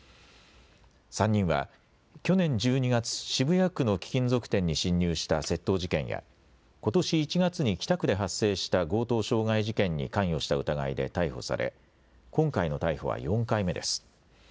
３人は去年１２月、渋谷区の貴金属店に侵入した窃盗事件やことし１月に北区で発生した強盗傷害事件に関与した疑いで逮捕され今回の逮捕は４回目です。